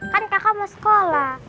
kan kakak mau sekolah